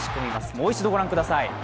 もう一度ご覧ください。